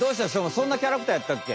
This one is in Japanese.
そんなキャラクターやったっけ？